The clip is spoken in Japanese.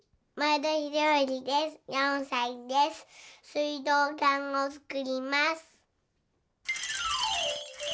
すいどうかんをつくります。